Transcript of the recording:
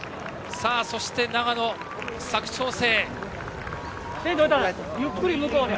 そして長野・佐久長聖。